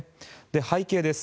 背景です。